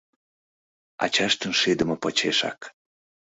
Ачаштын шӱдымӧ почешак